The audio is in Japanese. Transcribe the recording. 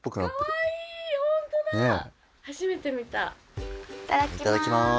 いただきます。